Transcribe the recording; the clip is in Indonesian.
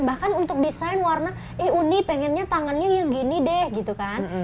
bahkan untuk desain warna eh uni pengennya tangannya yang gini deh gitu kan